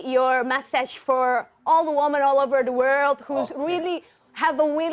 dan mungkin pesan anda untuk semua wanita di seluruh dunia